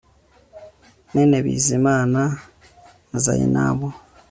mwene BIZIMANA na ZAINABO